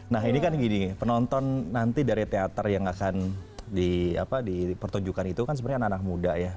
nah ini kan gini penonton nanti dari teater yang akan di pertunjukan itu kan sebenarnya anak anak muda ya